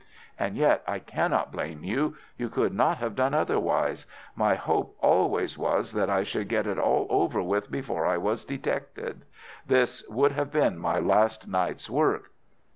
And yet I cannot blame you. You could not have done otherwise. My hope always was that I should get it all over before I was detected. This would have been my last night's work."